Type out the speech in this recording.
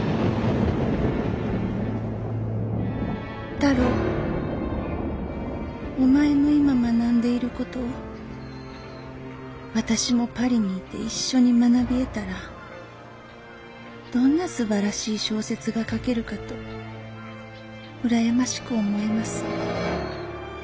「太郎お前も今学んでいることを私もパリにいて一緒に学びえたらどんなすばらしい小説が書けるかと羨ましく思えます。